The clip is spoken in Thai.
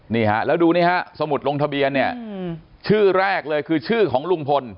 นี่ฮะแล้วดูนี่ฮะสมุดลงทะเบียนเนี่ยชื่อแรกเลยคือชื่อของลุงพล